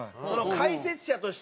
解説者として。